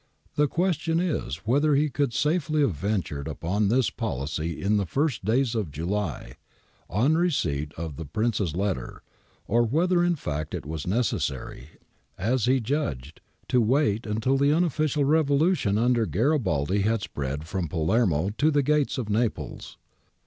The question is whether he could safely have ventured upon this policy in the first days of July, on receipt of the Prince's letter, or whether in fact it was necessary, as he judged, to wait until the unofficial revolution under Garibaldi had spread from Palermo to the gates of Naples.